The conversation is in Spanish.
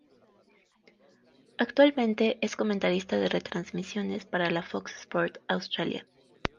Actualmente es comentarista de retransmisiones para la Fox Sports Australia.